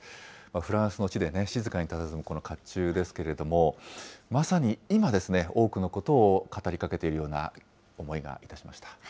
フランスの地でね、静かにたたずむこのかっちゅうですけども、まさに今ですね、多くのことを語りかけているような思いがいたしました。